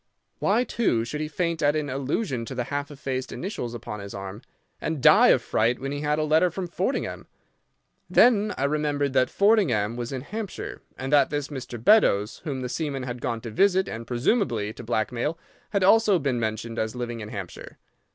Why, too, should he faint at an allusion to the half effaced initials upon his arm, and die of fright when he had a letter from Fordingbridge? Then I remembered that Fordingbridge was in Hampshire, and that this Mr. Beddoes, whom the seaman had gone to visit and presumably to blackmail, had also been mentioned as living in Hampshire.